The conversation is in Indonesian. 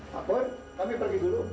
pakun kami pergi dulu